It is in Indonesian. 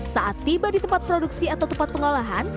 saat tiba di tempat produksi atau tempat pengolahan